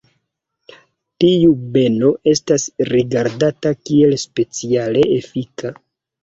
Tiu beno estas rigardata kiel speciale efika.